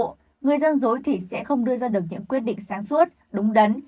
thứ ba người gian dối thì sẽ không đưa ra được những quyết định sáng suốt đúng đắn